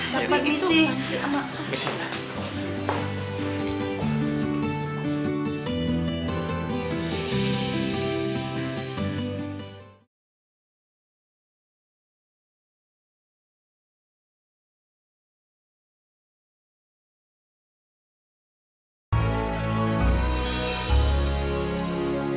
tapi tapi itu panji sama